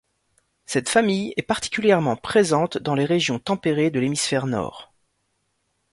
Cette famille est particulièrement présente dans les régions tempérées de l'hémisphère nord.